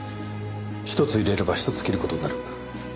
１つ入れれば１つ切る事になる。